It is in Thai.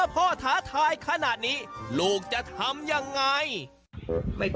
ท้าทายขนาดนี้ลูกจะทำยังไง